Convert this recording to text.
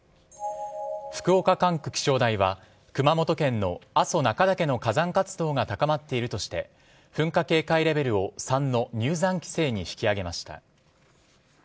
福岡管区気象台は熊本県の阿蘇中岳の火山活動が高まっているとして噴火警戒レベルを３の入山規制に引き上げました。